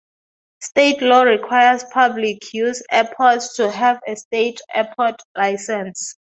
State law requires public-use airports to have a state airport license.